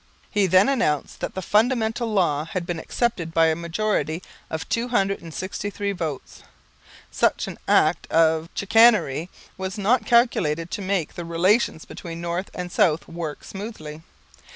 He then announced that the Fundamental Law had been accepted by a majority of 263 votes. Such an act of chicanery was not calculated to make the relations between north and south work smoothly.